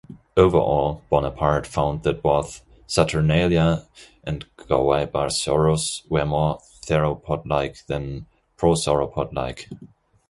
Overall, Bonaparte found that both "Saturnalia" and "Guaibasaurus" were more theropod-like than prosauropod-like.